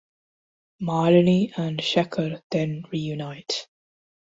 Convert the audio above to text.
Malini and Shekhar then reunite.